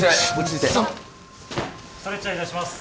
ストレッチャー出します。